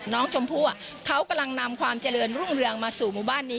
น้องชมพู่เขากำลังนำความเจริญรุ่งเรืองมาสู่หมู่บ้านนี้